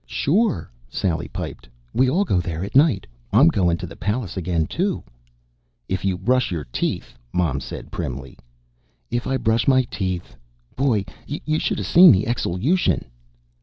"Sure," Sally piped. "We all go there at night. I'm goin' to the palace again, too." "If you brush your teeth," Mom said primly. "If I brush my teeth. Boy, you shoulda seen the exelution!"